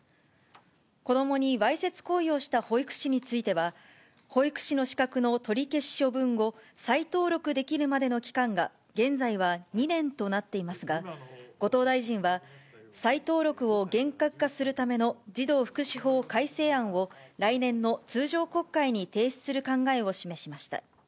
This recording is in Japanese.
子どもにわいせつ行為をした保育士については、保育士の資格の取り消し処分後、再登録できるまでの期間が、現在は２年となっていますが、後藤大臣は、再登録を厳格化するための児童福祉法改正案を、来年の通常国会に提出する考えを示しました。